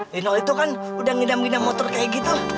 linol itu kan udah ngidam ngidam motor kayak gitu